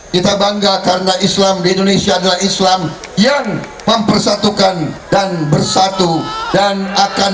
kita bangga karena islam di indonesia adalah islam yang mempersatukan dan bersatu dan akan